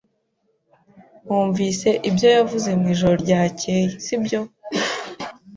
Wumvise ibyo yavuze mwijoro ryakeye, sibyo?